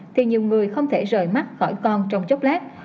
thì nhiều người không thể rời mắt khỏi con trong chốc lát